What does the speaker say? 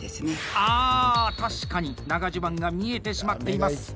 ああ、確かに長襦袢が見えてしまっています！